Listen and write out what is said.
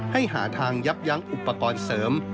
หาทางยับยั้งอุปกรณ์เสริม